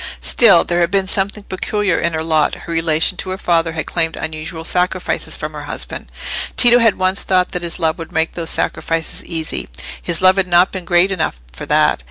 Still, there had been something peculiar in her lot: her relation to her father had claimed unusual sacrifices from her husband. Tito had once thought that his love would make those sacrifices easy; his love had not been great enough for that.